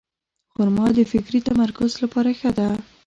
خرما د فکري تمرکز لپاره ښه ده.